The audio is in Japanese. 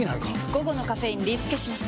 午後のカフェインリスケします！